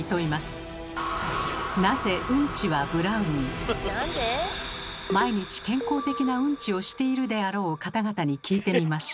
毎日健康的なうんちをしているであろう方々に聞いてみました。